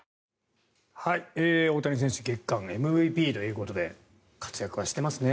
大谷選手月間ＭＶＰということで活躍はしてますね。